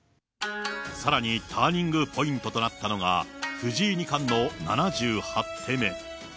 さらにターニングポイントとなったのが、藤井二冠の７８手目。